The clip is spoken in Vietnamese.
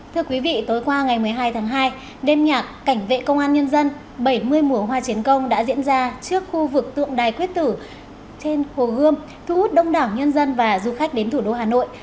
thưa quý vị tối qua ngày một mươi hai tháng hai đêm nhạc cảnh vệ công an nhân dân bảy mươi mùa hoa chiến công đã diễn ra trước khu vực tượng đài quyết tử trên hồ gươm thu hút đông đảo nhân dân và du khách đến thủ đô hà nội